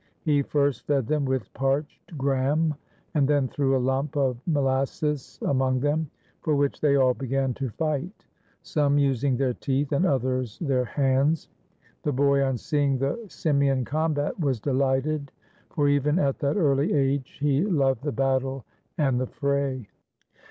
He first fed them with parched gram and then threw a lump of molasses among them, for which they all began to fight, some using their teeth and others their hands. The boy on seeing the simian combat was delighted, for even at that early age he loved the battle and the fray.